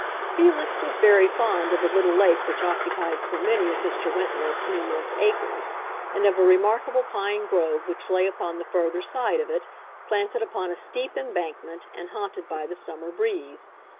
Felix was very fond of the little lake which occupied so many of Mr. Wentworth's numerous acres, and of a remarkable pine grove which lay upon the further side of it, planted upon a steep embankment and haunted by the summer breeze.